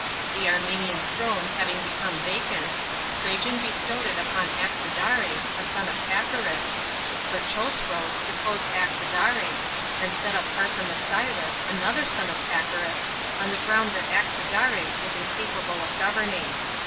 The Armenian throne having become vacant. Trajan bestowed it upon Axidares, a son of Pacorus, but Chosroes deposed Axidares, and set up Parthomasiris, another son of Paccrus, on the ground that Axidares was incapable of governing.